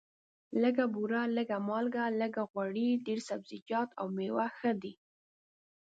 لږه بوره، لږه مالګه، لږ غوړي، ډېر سبزیجات او مېوې ښه دي.